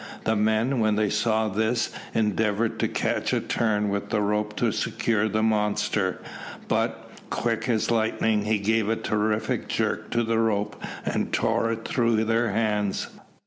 The men, when they saw this, endeavoured to catch a turn with the rope to secure the monster, but, quick as lightning, he gave a terrific jerk to the rope and tore it through their hands.